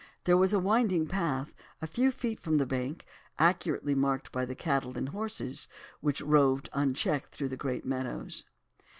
There was a winding path a few feet from the bank, accurately marked by the cattle and horses, which roved unchecked through the great meadows.